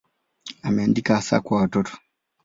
Ameandika hasa kwa watoto.